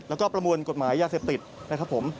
แล้วก็ประมวลกฎหมายยาเสพติดนะครับผม